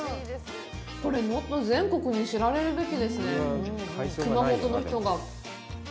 これ、もっと全国に知られるべきですね。